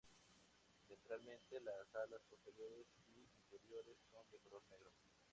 Ventralmente las alas posteriores y anteriores son de color negro.